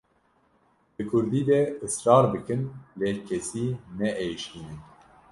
Di Kurdî de israr bikin lê kesî neêşînin.